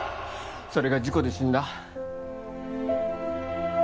それが事故で死んだ？